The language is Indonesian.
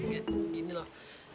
ya gini loh